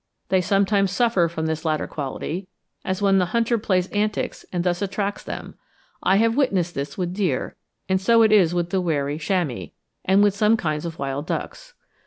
They sometimes suffer from this latter quality, as when the hunter plays antics and thus attracts them; I have witnessed this with deer, and so it is with the wary chamois, and with some kinds of wild ducks.